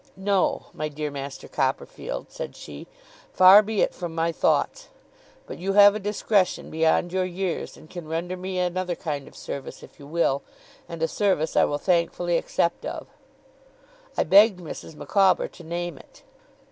'No, my dear Master Copperfield,' said she, 'far be it from my thoughts! But you have a discretion beyond your years, and can render me another kind of service, if you will; and a service I will thankfully accept of.' I begged Mrs. Micawber to name it.